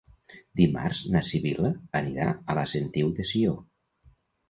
Dimarts na Sibil·la anirà a la Sentiu de Sió.